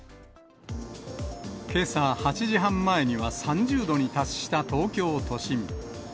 けさ８時半前には３０度に達した東京都心。